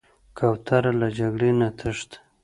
کوتره له جګړې نه تښتي.